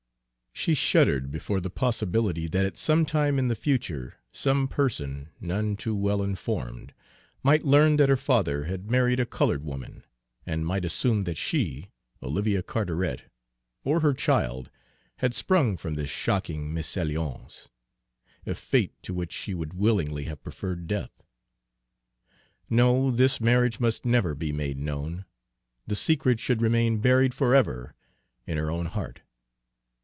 She shuddered before the possibility that at some time in the future some person, none too well informed, might learn that her father had married a colored woman, and might assume that she, Olivia Carteret, or her child, had sprung from this shocking mésalliance, a fate to which she would willingly have preferred death. No, this marriage must never be made known; the secret should remain buried forever in her own heart!